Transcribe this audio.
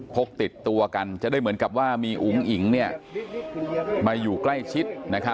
พกติดตัวกันจะได้เหมือนกับว่ามีอุ๋งอิ๋งมาอยู่ใกล้ชิด